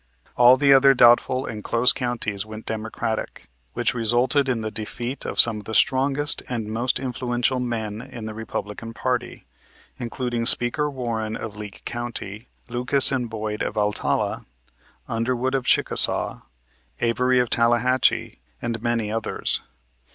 All the other doubtful and close counties went Democratic, which resulted in the defeat of some of the strongest and most influential men in the Republican party, including Speaker Warren of Leake County, Lucas and Boyd of Altala, Underwood of Chickasaw, Avery of Tallahatchie, and many others.